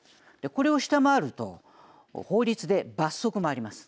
これを下回ると法律で罰則もあります。